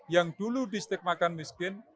yang dulu distigmakan miskin